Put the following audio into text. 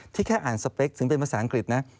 แค่อ่านสเปคถึงเป็นภาษาอังกฤษนะ